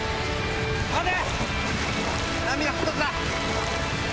待て！